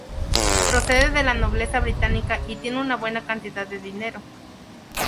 Procede de la nobleza británica y tiene una buena cantidad de dinero.